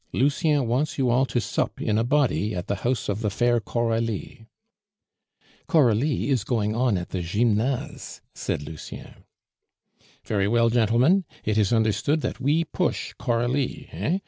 "Lucien wants you all to sup in a body at the house of the fair Coralie." "Coralie is going on at the Gymnase," said Lucien. "Very well, gentlemen; it is understood that we push Coralie, eh?